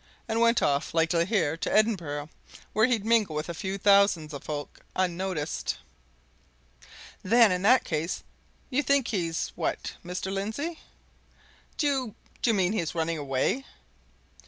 and went off, likely here, to Edinburgh where he'd mingle with a few thousand of folk, unnoticed." "Then in that case, you think he's what, Mr. Lindsey?" I asked. "Do you mean he's running away?"